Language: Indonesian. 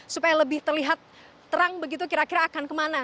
supaya lebih terlihat terang begitu kira kira akan kemana